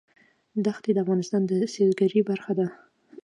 دښتې د افغانستان د سیلګرۍ برخه ده.